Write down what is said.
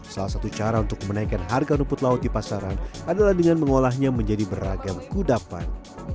salah satu cara untuk menaikkan harga rumput laut di pasaran adalah dengan mengolahnya menjadi beragam kudapan